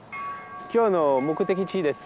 今日の目的地です